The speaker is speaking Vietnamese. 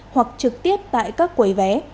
hoặc trực tiếp tại các quầy vé